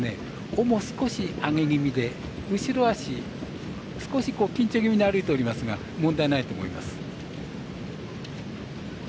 尾も少し上げ気味で後ろ脚、少し緊張気味に歩いておりますが問題ないと思います。